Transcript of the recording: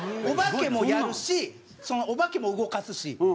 お化けもやるしそのお化けも動かすし。